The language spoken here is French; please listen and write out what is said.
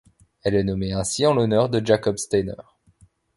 Elle est nommée ainsi en l'honneur de Jakob Steiner.